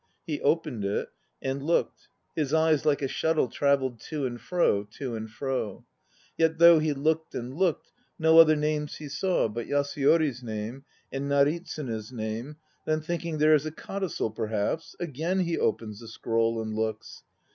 He opened it and looked. His eyes, like a shuttle, travelled To and fro, to and fro. Yet, though he looked and looked, No other names he saw But Yasuyori's name and Naritsune's name Then thinking There is a codicil, perhaps," Again he opens the scroll and looks.